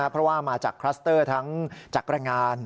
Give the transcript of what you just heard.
เพราะว่ามาจากคลัสเตอร์ทั้งจากแรงงาน